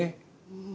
うん。